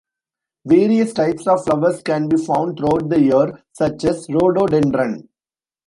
Various types of flowers can be found throughout the year, such as Rhododendron.